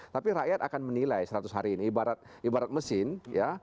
tapi rakyat akan menilai seratus hari ini ibarat mesin ya